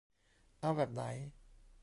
เอาแบบไหน ?